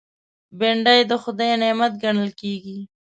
بېنډۍ د خدای نعمت ګڼل کېږي